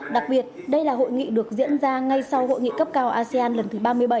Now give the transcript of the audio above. đặc biệt đây là hội nghị được diễn ra ngay sau hội nghị cấp cao asean lần thứ ba mươi bảy